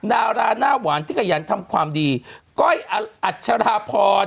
ดาราหน้าหวานที่ขยันทำความดีก้อยอัชราพร